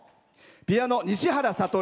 ピアノ、西原悟。